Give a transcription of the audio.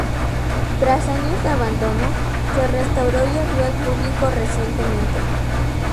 Tras años de abandono, se restauró y abrió al público recientemente.